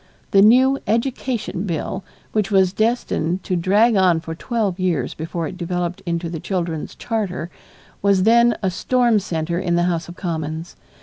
The new Education Bill which was destined to drag on for twelve years before it developed into the children's charter, was then a storm center in the House of Commons.